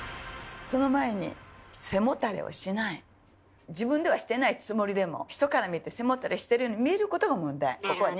その前に自分ではしてないつもりでも人から見て背もたれしてるように見えることが問題。